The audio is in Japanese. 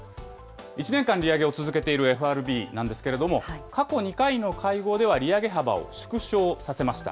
１年間利上げを続けているＦＲＢなんですけれども、過去２回の会合では、利上げ幅を縮小させました。